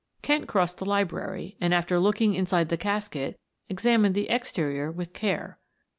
Kent crossed the library and, after looking inside the casket, examined the exterior with care.